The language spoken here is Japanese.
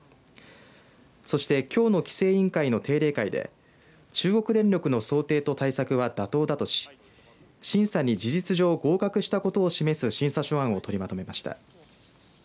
そしてきょうの規制委員会の定例会で中国電力の想定と対策は妥当だとし審査に事実上合格したことを示す審査書案を取りまとめました。